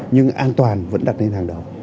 nhưng an toàn vẫn đặt lên hàng đầu